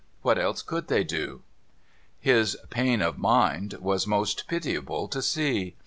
What else could they do ?' His pain of mind was most pitiable to see.